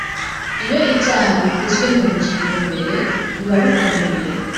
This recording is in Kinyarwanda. iyo ibyaha bivuzwe mu ngingo mbere bibabikomeye